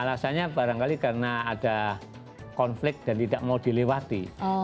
alasannya barangkali karena ada konflik dan tidak mau dilewati